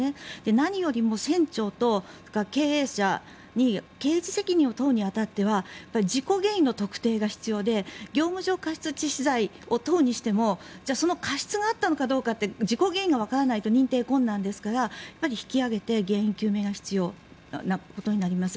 何よりも船長と経営者に刑事責任を問うに当たってはやっぱり事故原因の特定が必要で業務上過失致死罪を問うにしてもその過失があったのかどうかって事故原因がわからないと認定困難ですから引き揚げて原因究明が必要になります。